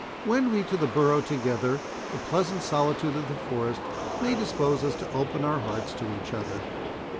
Wend we to the borough together—the pleasant solitude of the forest may dispose us to open our hearts to each other."